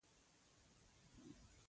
له څه شي خبر شوم، ملک سیدجان یې ځواب ورکړ.